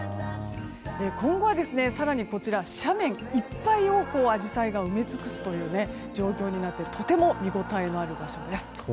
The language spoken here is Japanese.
今後は更に斜面いっぱいをアジサイが埋め尽くすという状況になってとても見ごたえのある場所です。